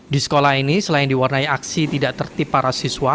di sekolah ini selain diwarnai aksi tidak tertip para siswa